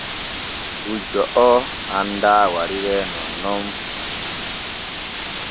Gujjo oo handaa wariree nonnon.